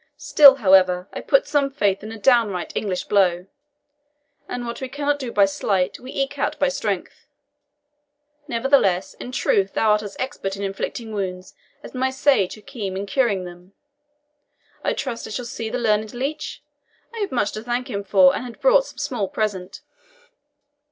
Still, however, I put some faith in a downright English blow, and what we cannot do by sleight we eke out by strength. Nevertheless, in truth thou art as expert in inflicting wounds as my sage Hakim in curing them. I trust I shall see the learned leech. I have much to thank him for, and had brought some small present."